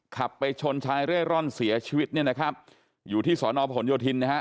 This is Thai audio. ขับไปชนชายเร่ร่อนเสียชีวิตเนี่ยนะครับอยู่ที่สอนอพหนโยธินนะฮะ